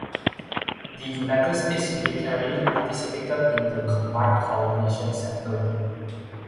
The United States military participated in the Combined Coordination Center.